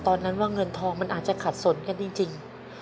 ตอนนั้นว่าเงินทองอาจจะขาดสนแค่จริง